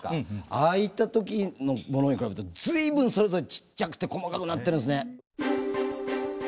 ああいった時のものに比べると随分それぞれちっちゃくて細かくなってるんですね。